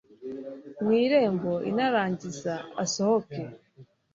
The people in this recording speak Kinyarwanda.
mu irembo i narangiza asohoke